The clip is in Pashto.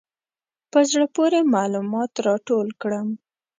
په زړه پورې معلومات راټول کړم.